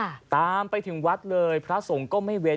ค่ะตามไปถึงวัดเลยพระสงฆ์ก็ไม่เว้น